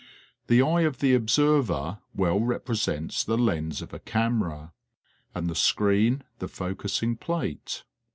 The eye of the observer well represents the lens of a camera, and the screen the focussing plate.